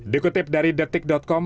dikutip dari detik com